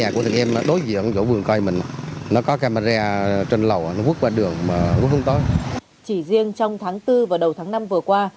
chỉ riêng trong tháng bốn và đầu tháng năm vừa qua